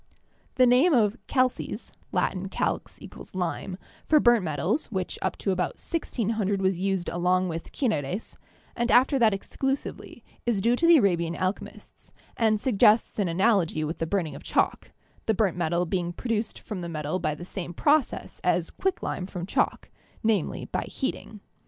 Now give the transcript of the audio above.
The name of "calces" (Latin calx = lime) for burnt metals, which up to about 1600 was used along with "cineres," and after that exclusively, is due to the Arabian alchemists, and suggests an analogy with the burning of chalk, the burnt metal being produced from the metal by the same process as quick lime from chalk, namely, by heating.